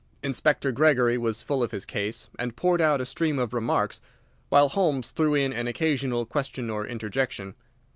Inspector Gregory was full of his case, and poured out a stream of remarks, while Holmes threw in an occasional question or interjection.